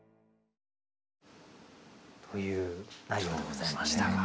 という内容でございましたが。